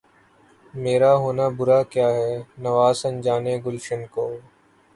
میرا ہونا برا کیا ہے‘ نوا سنجانِ گلشن کو!